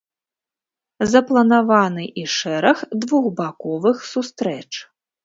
Запланаваны і шэраг двухбаковых сустрэч.